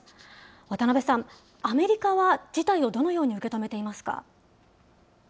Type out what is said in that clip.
渡辺さん、アメリカは事態をどのように受け止めていますか。